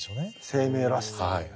生命らしさ。